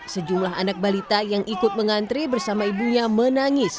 sejumlah anak balita yang ikut mengantri bersama ibunya menangis